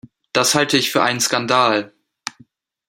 Das halte ich für einen Skandal!